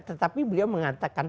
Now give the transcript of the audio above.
tetapi beliau mengatakan